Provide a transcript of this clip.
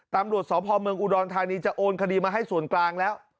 ตำรวจสพเมืองอุดรธานีจะโอนคดีมาให้ส่วนกลางแล้ว